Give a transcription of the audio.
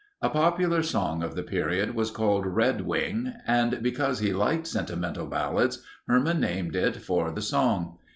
A popular song of the period was called "Red Wing" and because he liked sentimental ballads, Herman named it for the song.